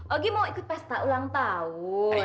ogi mau ikut pesta ulang tahun